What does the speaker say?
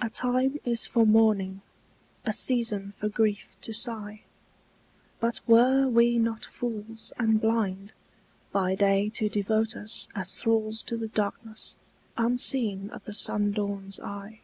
A time is for mourning, a season for grief to sigh; But were we not fools and blind, by day to devote us As thralls to the darkness, unseen of the sundawn's eye?